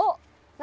何？